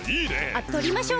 あっとりましょうか？